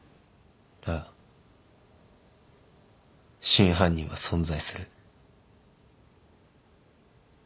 ああ真犯人は存在する。